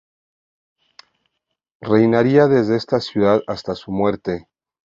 Reinaría desde esta ciudad hasta su muerte.